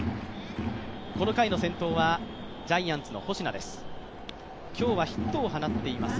この回の先頭はジャイアンツの保科です。